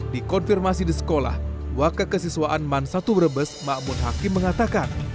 di konfirmasi di sekolah wakil kesiswaan mansatu brebes makmun hakim mengatakan